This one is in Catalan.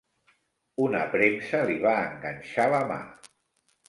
Una premsa li va enganxar la mà.